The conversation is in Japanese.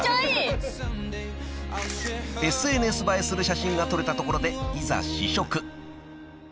［ＳＮＳ映えする写真が撮れたところでいざ試食］